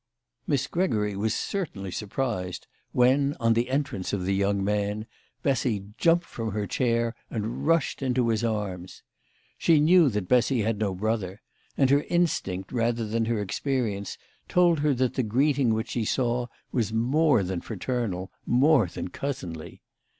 Miss GREGORY was certainly surprised when, on the entrance of the young man, Bessy jumped from her chair and rushed into his arms. She knew that Bessy had no brother, and her instinct rather than her ex perience told her that the greeting which she saw was more than fraternal, more than cousinly.